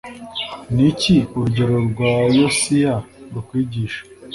ni iki urugero rwa yosiya rukwigisha